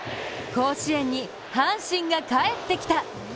甲子園に阪神が帰ってきた！